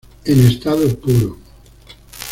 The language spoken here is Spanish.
En estado puro".